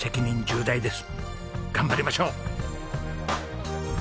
頑張りましょう！